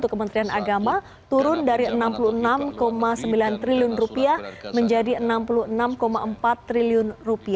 kementerian agama turun dari rp enam puluh enam sembilan triliun menjadi rp enam puluh enam empat triliun